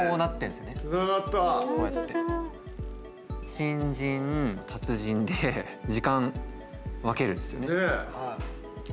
新人達人で時間分けるですよね。